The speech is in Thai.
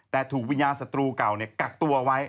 แต่ถูกวิญญาณศัตรูเก่ากักตัวไว้